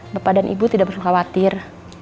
bapak dan ibu tidak perlu khawatir